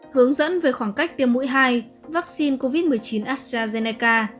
hướng dẫn về khoảng cách tiêm mũi hai vaccine covid một mươi chín astrazeneca